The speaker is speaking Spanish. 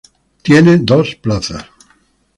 Tiene dos plazas.